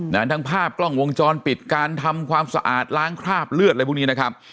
ทั้งภาพกล้องวงจรปิดการทำความสะอาดล้างคราบเลือดอะไรพวกนี้นะครับ